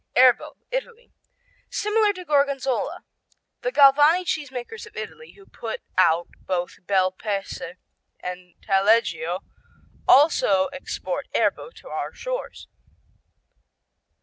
Erbo Italy Similar to Gorgonzola. The Galvani cheesemakers of Italy who put out both Bel Paese and Taleggio also export Erbo to our shores.